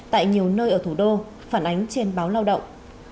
tại nhiều nơi ở thủ đô phản ánh trên báo lao động